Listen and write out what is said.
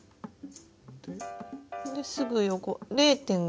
ですぐ横０．５。